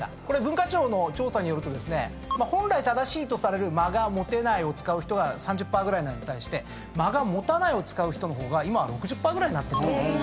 これ文化庁の調査によると本来正しいとされる「間が持てない」を使う人が３０％ぐらいなのに対して「間が持たない」を使う人の方が今は６０％ぐらいになってると。